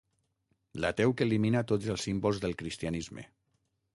L'ateu que elimina tots els símbols del cristianisme.